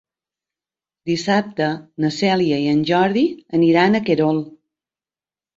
Dissabte na Cèlia i en Jordi aniran a Querol.